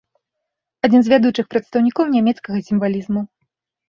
Адзін з вядучых прадстаўнікоў нямецкага сімвалізму.